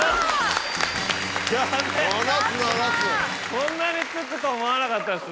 こんなに付くと思わなかったですね。